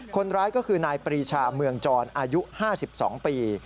คนร้ายก็คือนายปรีชาเมืองจรอายุ๕๒ปี